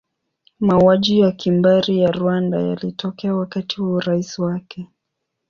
Mauaji ya kimbari ya Rwanda yalitokea wakati wa urais wake.